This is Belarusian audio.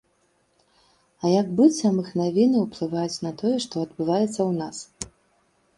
Як быццам іх навіны ўплываюць на тое, што адбываецца ў нас.